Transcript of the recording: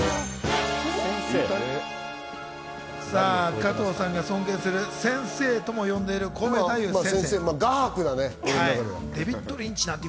加藤さんが尊敬する先生とも呼んでいる、コウメ太夫先生。